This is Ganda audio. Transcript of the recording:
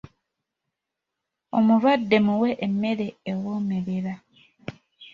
Omulwadde muwe emmere ewoomerera.